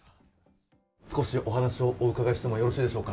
少しお話をお伺いしてもよろしいでしょうか？